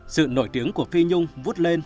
sự nổi tiếng của phi nhung vút lên